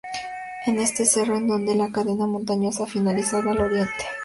Es en este cerro en donde la cadena montañosa finaliza al Oriente.